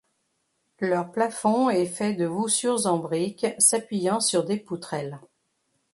Leur plafond est fait de voussures en briques s'appuyant sur des poutrelles.